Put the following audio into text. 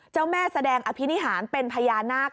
เจ้าแม่แสดงอภินิหารเป็นพญานาค